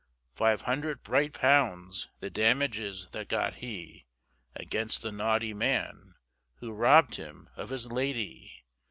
Five hundred bright pounds, The damages, that got he, Against the naughty man Who robbed him of his lady.